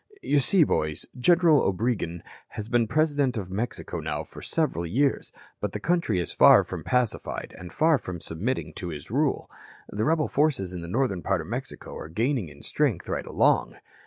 You see, boys, General Obregon has been President of Mexico now for several years, but the country is far from pacified and far from submitting to his rule. The rebel forces in the northern part of Mexico are gaining in strength right along.